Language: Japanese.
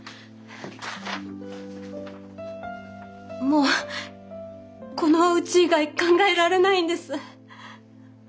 もうこのうち以外考えられないんです。